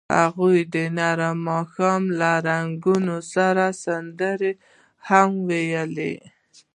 هغوی د نرم ماښام له رنګونو سره سندرې هم ویلې.